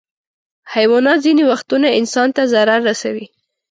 حیوانات ځینې وختونه انسان ته ضرر رسوي.